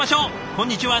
こんにちは。